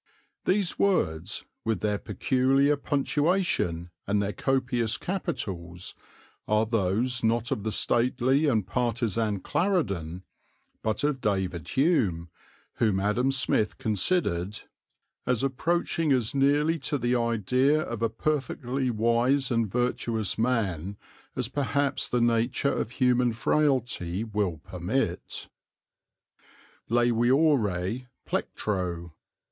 These words, with their peculiar punctuation and their copious capitals, are those not of the stately and partisan Clarendon but of David Hume, whom Adam Smith considered "as approaching as nearly to the idea of a perfectly wise and virtuous man as perhaps the nature of human frailty will permit." _Leviore plectro.